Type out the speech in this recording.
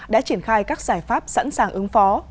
đã triển khai các giải pháp sẵn sàng ứng phó